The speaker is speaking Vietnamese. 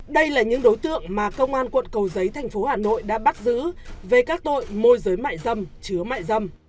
đây là những đối tượng mà công an quận cầu giấy thành phố hà nội đã bắt giữ về các tội môi giới mại dâm chứa mại dâm